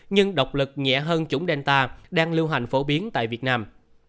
nhưng độc lực nhẹ hơn chủng delta đang lưu hành phổ biến tại việt nam